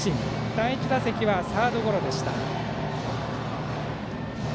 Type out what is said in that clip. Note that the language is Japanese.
第１打席はサードゴロでした。